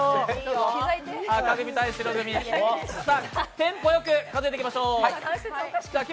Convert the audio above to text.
テンポよく数えていきましょう。